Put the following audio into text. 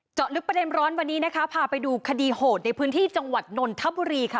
เจาะลึกประเด็นร้อนวันนี้นะคะพาไปดูคดีโหดในพื้นที่จังหวัดนนทบุรีค่ะ